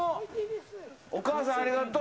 お母さん、ありがとう。